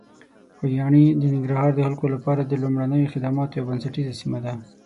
خوږیاڼي د ننګرهار د خلکو لپاره د لومړنیو خدماتو یوه بنسټیزه سیمه ده.